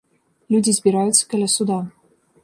Людзі збіраюцца каля суда.